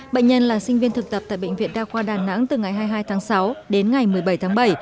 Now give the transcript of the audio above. bệnh nhân là sinh viên thực tập tại bệnh viện đa khoa đà nẵng từ ngày hai mươi hai tháng sáu đến ngày một mươi bảy tháng bảy